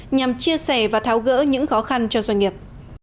nhằm chia sẻ và tháo gỡ những khó khăn cho doanh nghiệp